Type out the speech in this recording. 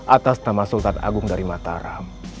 atas nama sultan agung dari mataram